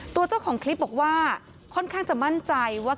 เจ้าของคลิปบอกว่าค่อนข้างจะมั่นใจว่า